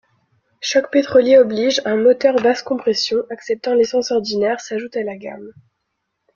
Choc pétrolier oblige, un moteur basse compression, acceptant l'essence ordinaire, s'ajoute à la gamme.